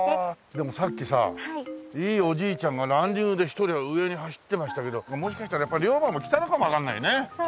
でもさっきさいいおじいちゃんがランニングで一人上に走ってましたけどもしかしたらやっぱ龍馬も来たのかもわかんないね。